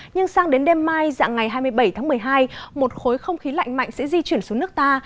nhưng sang đến đêm mai dạng ngày hai mươi bảy tháng một mươi hai một khối không khí lạnh mạnh sẽ di chuyển xuống nước ta